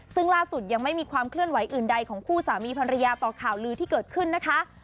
ซึ่งล่าสุดยังไม่มีความเคลื่อนไหวอื่นใดของคู่สามีภรรยาต่อข่าวลือที่เกิดขึ้นนะคะ